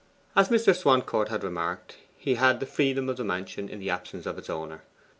As Mr. Swancourt had remarked, he had the freedom of the mansion in the absence of its owner.